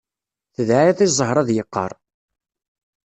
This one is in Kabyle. Tedɛiḍ i zzheṛ ad yeqqaṛ.